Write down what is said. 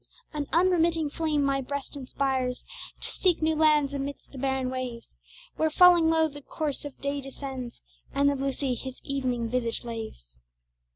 An unremitting flame my breast inspires To seek new lands amidst the barren waves, Where falling low, the source of day descends, And the blue sea his evening visage laves.